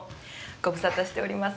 ご無沙汰しております。